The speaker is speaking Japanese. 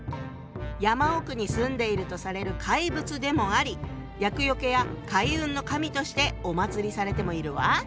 山奥に住んでいるとされる怪物でもあり厄よけや開運の神としてお祭りされてもいるわ。